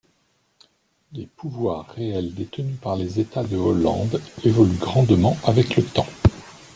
Les pouvoirs réels détenus par les États de Hollande évoluent grandement avec le temps.